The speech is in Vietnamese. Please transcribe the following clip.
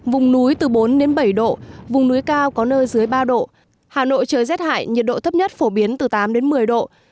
vùng núi từ bốn đến bảy độ vùng núi cao có nơi dưới ba độ hà nội trời rét hại nhiệt độ thấp nhất phổ biến từ tám đến một mươi độ